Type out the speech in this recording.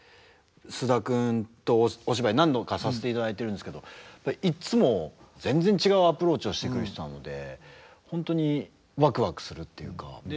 菅田君とお芝居何度かさせていただいてるんですけどいつも全然違うアプローチをしてくる人なので本当にワクワクするっていうか。